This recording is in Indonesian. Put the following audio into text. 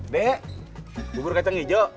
be bubur kacang ijo